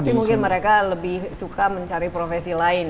tapi mungkin mereka lebih suka mencari profesi lain